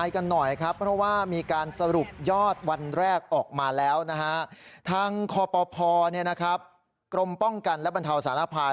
เหนื่อยเพลียเหมือยหิวเป็นหมวดทั่วการค่ะ